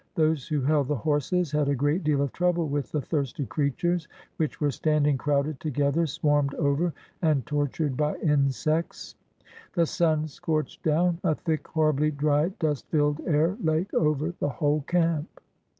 Those who held the horses had a great deal of trouble with the thirsty creatures, which were standing crowded to gether, swarmed over and tortured by insects. The sun scorched down. A thick, horribly dry, dust filled air lay over the whole camp.